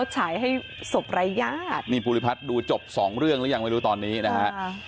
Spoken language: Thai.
สหายให้สบายานี่บุริภัทธุ์ดูจบ๒เรื่องแล้วยังไม่รู้ตอนนี้นะฮะ